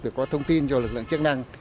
để có thông tin cho lực lượng chức năng